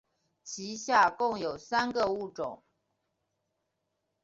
其下共有三个物种。